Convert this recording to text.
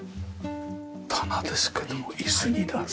棚ですけども椅子になる。